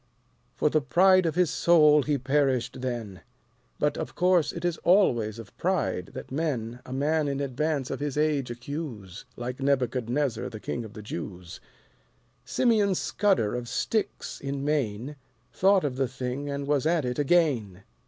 For the pride of his soul he perished then But of course it is always of Pride that men, A Man in Advance of his Age accuse, Like Nebuchadnezzar the King of the Jews. Simeon Scudder of Styx, in Maine, Thought of the thing and was at it again.